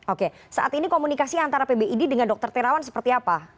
oke saat ini komunikasi antara pbid dengan dr terawan seperti apa